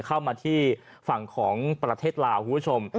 เข้ามาที่ฝั่งของประเทศลาวคุณผู้ชม